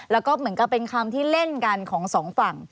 แล้วก็เหมือนกับเป็นคำที่เล่นกันของสองฝั่ง